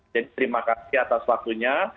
jadi terima kasih atas waktunya